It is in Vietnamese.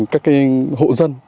các cái hộ dân